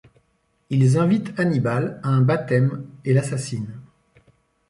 Ils invitent Annibale à un baptême et l'assassinent.